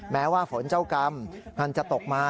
แม้ว่าฝนเจ้ากรรมมันจะตกมา